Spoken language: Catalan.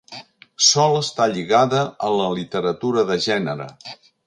Sol estar lligada a la literatura de gènere.